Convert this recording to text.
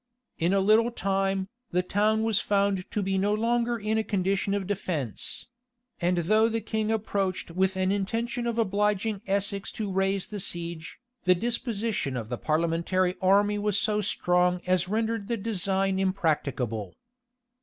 In a little time, the town was found to be no longer in a condition of defence; and though the king approached with an intention of obliging Essex to raise the siege, the disposition of the parliamentary army was so strong as rendered the design impracticable.